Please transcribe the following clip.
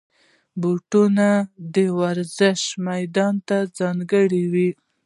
بوټونه د ورزش میدان ته ځانګړي وي.